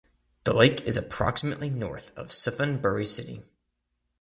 The lake is approximately north of Suphan Buri City.